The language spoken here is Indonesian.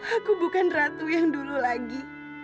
aku bukan ratu yang dulu lagi